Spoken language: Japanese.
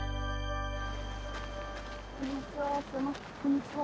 こんにちは。